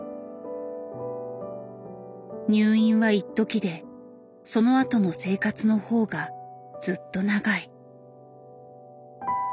入院はいっときでそのあとの生活の方がずっと長い。